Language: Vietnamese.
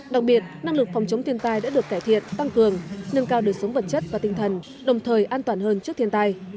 đặc biệt năng lực phòng chống thiên tai đã được cải thiện tăng cường nâng cao đời sống vật chất và tinh thần đồng thời an toàn hơn trước thiên tai